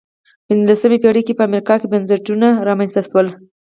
پنځلسمې پېړۍ کې په امریکا کې بنسټونه رامنځته شول.